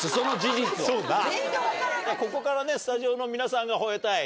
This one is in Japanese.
ここからスタジオの皆さんが吠えたい